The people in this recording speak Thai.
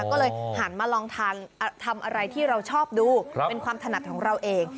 ก็เลยหันมาลองทานทำอะไรที่เราชอบดูเป็นความถนัดของเราเอง